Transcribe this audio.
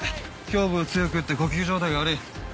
胸部を強く打って呼吸状態が悪い。